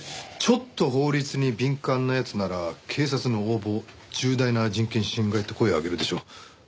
ちょっと法律に敏感な奴なら警察の横暴重大な人権侵害って声上げるでしょう。